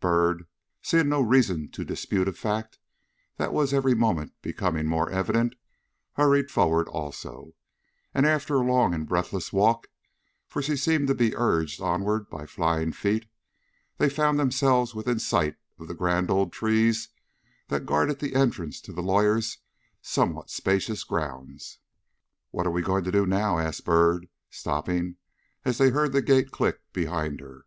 Byrd, seeing no reason to dispute a fact that was every moment becoming more evident, hurried forward also, and after a long and breathless walk for she seemed to be urged onward by flying feet they found themselves within sight of the grand old trees that guarded the entrance to the lawyer's somewhat spacious grounds. "What are we going to do now?" asked Byrd, stopping, as they heard the gate click behind her.